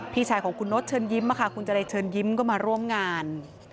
พี่ชายของคุณโน๊ตเชิญยิ้มคุณเจรเชิญยิ้มก็มาร่วมงาน